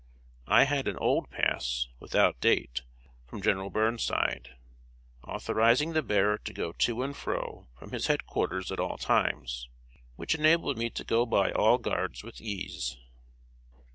I had an old pass, without date, from General Burnside, authorizing the bearer to go to and fro from his head quarters at all times, which enabled me to go by all guards with ease.